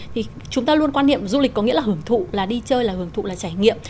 thì chúng ta luôn quan niệm du lịch có nghĩa là hưởng thụ là đi chơi là hưởng thụ là trải nghiệm